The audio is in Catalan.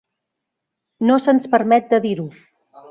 No se'ns permet de dir-ho.